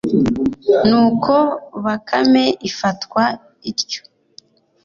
nuko bakame ifatwa ityo.